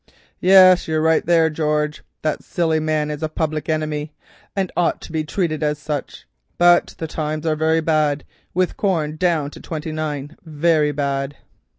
"Yes, you're right there, George, that silly man is a public enemy, and ought to be treated as such, but the times are very bad, with corn down to twenty nine, very bad."